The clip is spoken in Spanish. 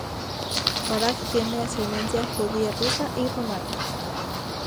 Baraj tiene ascendencia judía-rusa y rumana.